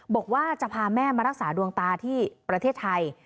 บอกว่าจะพาแม่มารักษาดวงตาที่ประเทศไทย